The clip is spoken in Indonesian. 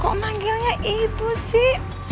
kok manggilnya ibu sih